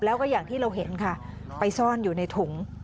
แล้วก็อย่างที่เราเห็นค่ะไปซ่อนอยู่ในถุง